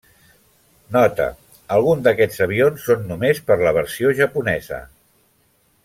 Note: alguns d'aquests avions són només per la versió japonesa.